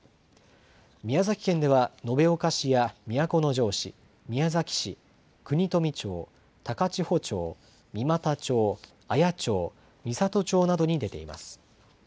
宮崎県では延岡市や都城市、宮崎市、国富町、高千穂町、三股町、綾町、美郷町などに出ています。